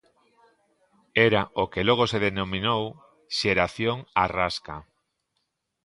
Era o que logo se denominou "Xeración á Rasca".